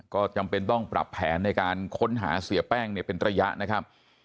ก็จำเป็นต้องปรับแผนในการค้นหาเสียแป้งเนี่ยเป็นระยะนะครับ